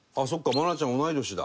愛菜ちゃん同い年だ。